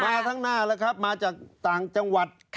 มาทั้งหน้าแล้วครับมาจากต่างจังหวัด